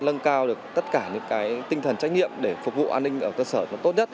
lân cao được tất cả những cái tinh thần trách nhiệm để phục vụ an ninh ở cơ sở nó tốt nhất